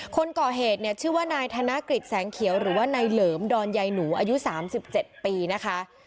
คนก่อเหตุเนี่ยชื่อว่านายธนกฤษแสงเขียวหรือว่านายเหลิมดอนใยหนูอายุ๓๗ปีนะคะ